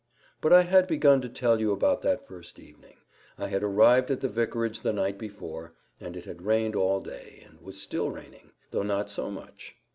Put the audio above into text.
But I had begun to tell you about that first evening.—I had arrived at the vicarage the night before, and it had rained all day, and was still raining, though not so much.